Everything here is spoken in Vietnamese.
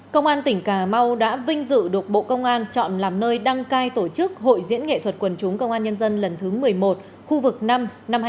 công an tỉnh cà mau đã vinh dự được bộ công an chọn làm nơi đăng cai tổ chức hội diễn nghệ thuật quần chúng công an nhân dân lần thứ một mươi một khu vực năm năm hai nghìn hai mươi ba